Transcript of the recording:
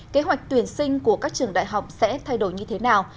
kế hoạch tuyển sinh của các trường đại học sẽ thay đổi như thế nào